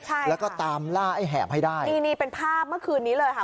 ใช่แล้วก็ตามล่าไอ้แหบให้ได้นี่นี่เป็นภาพเมื่อคืนนี้เลยค่ะ